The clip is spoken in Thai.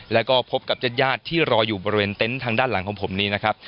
แล้วก็พบกับญาติญาติที่รออยู่บริเวณเต็นต์ทางด้านหลังของผมนี้นะครับ